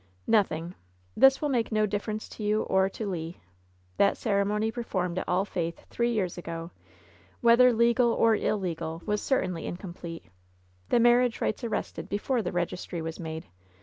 "Nothing. This will make no difference to you or to Le. That ceremony performed at All Faith, three years LOVE^ BITTEREST CUP 67 ago, whether legal or illegal, was certainly incomplete — the marriage rites arrested before the registry was made.